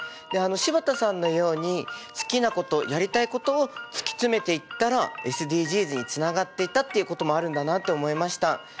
で柴田さんのように好きなことやりたいことを突き詰めていったらＳＤＧｓにつながっていたっていうこともあるんだなって思いました。